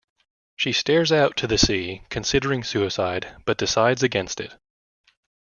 She stares out to sea considering suicide but decides against it.